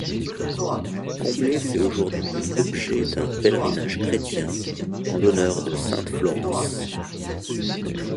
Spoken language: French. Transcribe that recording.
Comblé fait aujourd'hui l'objet d'un pèlerinage chrétien en l'honneur de sainte Florence.